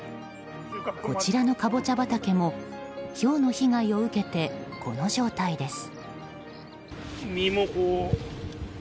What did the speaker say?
こちらのカボチャ畑もひょうの被害を受けてこの状態です。